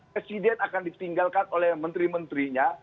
presiden akan ditinggalkan oleh menteri menterinya